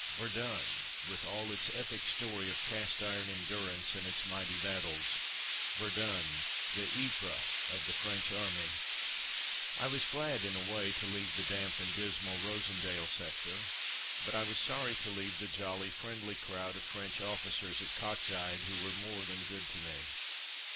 Verdun, with all its epic story of cast iron endurance and its mighty battles! Verdun, the Ypres of the French Army! I was glad, in a way, to leave the damp and dismal Rosendael sector, but I was sorry to leave the jolly, friendly crowd of French officers at Coxyde who were more than good to me.